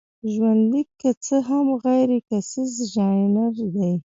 ژوندلیک که څه هم غیرکیسیز ژانر دی.